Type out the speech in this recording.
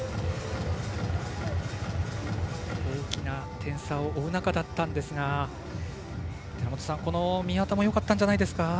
大きな点差を追う中だったんですが寺本さん、宮田もよかったんじゃないですか？